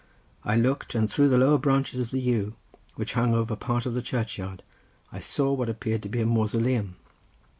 I looked, and through the lower branches of the yew, which hung over part of the churchyard, I saw what appeared to be a mausoleum.